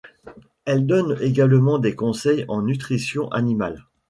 Elle donne également des conseils en nutrition animale.